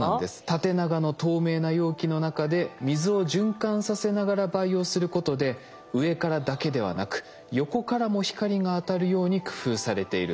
縦長の透明な容器の中で水を循環させながら培養することで上からだけではなく横からも光が当たるように工夫されているんです。